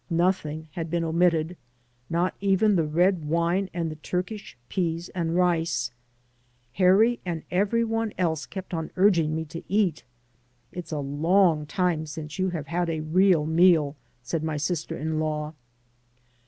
Nothing had been omitted — ^not even the red wine and the Turkish peas and rice. Harry and every one else kept on urging me to eat. "It*s a long time since you have had a real meal," said my sister in law.